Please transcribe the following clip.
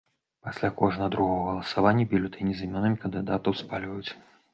Пасля кожнага другога галасавання бюлетэні з імёнамі кандыдатаў спальваюць.